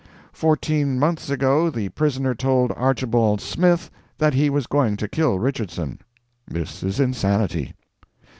Fourteen months ago the prisoner told Archibald Smith that he was going to kill Richardson. This is insanity.